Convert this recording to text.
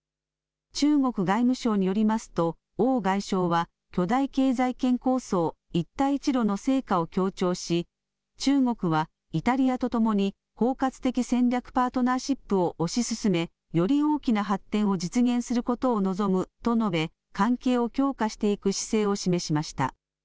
中国外務省によりますと、王外相は巨大経済圏構想、一帯一路の成果を強調し、中国はイタリアとともに包括的戦略パートナーシップを推し進め、より大きな発展を実現することを望むと述べ、関係を強化していく姿勢を示しました。